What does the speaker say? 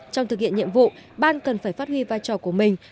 trong thực hiện nhiệm vụ ban cần phải phát huy vai trò của mình